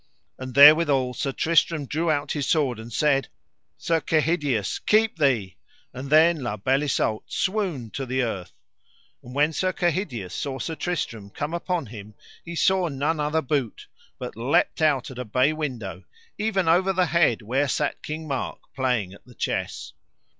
And therewithal Sir Tristram drew out his sword and said: Sir Kehydius, keep thee, and then La Beale Isoud swooned to the earth. And when Sir Kehydius saw Sir Tristram come upon him he saw none other boot, but leapt out at a bay window even over the head where sat King Mark playing at the chess.